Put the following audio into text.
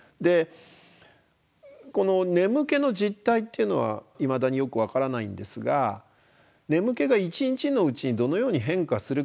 この眠気の実体っていうのはいまだによく分からないんですが眠気が一日のうちにどのように変化するかということはですね